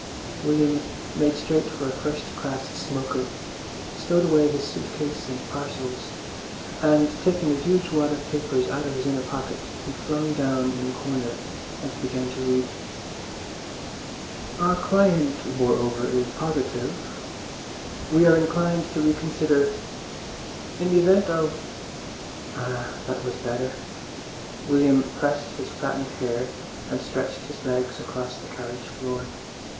William made straight for a first class smoker, stowed away his suit case and parcels, and taking a huge wad of papers out of his inner pocket, he flung down in the corner and began to read. "Our client moreover is positive.... We are inclined to reconsider... in the event of—" Ah, that was better. William pressed back his flattened hair and stretched his legs across the carriage floor.